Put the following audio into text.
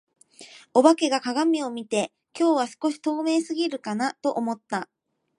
お化けが鏡を見て、「今日は少し透明過ぎるかな」と思った。